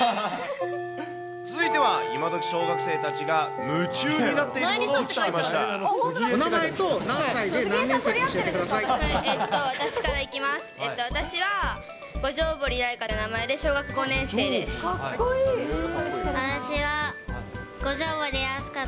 続いては今どき小学生たちが、夢中になっているものを聞きました。